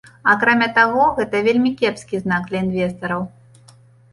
Акрамя таго, гэта вельмі кепскі знак для інвестараў.